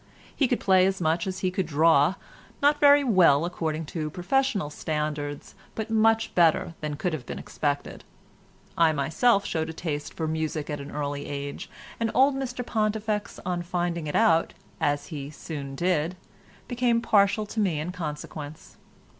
He could play as much as he could draw, not very well according to professional standards, but much better than could have been expected. I myself showed a taste for music at an early age, and old Mr Pontifex on finding it out, as he soon did, became partial to me in consequence.